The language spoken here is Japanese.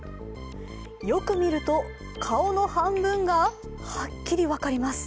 よく見ると顔の半分がはっきり分かります。